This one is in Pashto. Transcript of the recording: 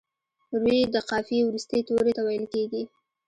روي د قافیې وروستي توري ته ویل کیږي.